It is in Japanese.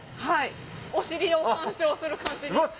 お尻を観賞する感じです。